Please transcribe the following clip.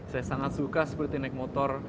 saya sangat suka seperti naik motor